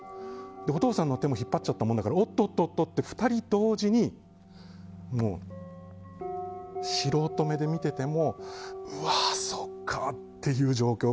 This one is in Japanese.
お父さんの手も引っ張っちゃったものだからおっとっとと２人同時にもう、素人目で見ててもうわ、そっかっていう状況。